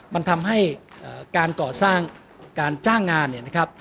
มันทำให้การก่อสร้างการจ้างงานเนี่ยนะครับ